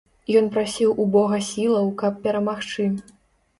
Ён прасіў у бога сілаў, каб перамагчы.